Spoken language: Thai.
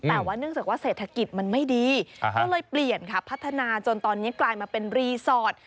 แต่ว่าเนื่องจากว่าเศรษฐกิจมันไม่ดีก็เลยเปลี่ยนค่ะพัฒนาจนตอนนี้กลายมาเป็นรีสอร์ท